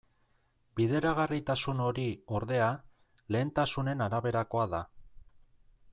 Bideragarritasun hori, ordea, lehentasunen araberakoa da.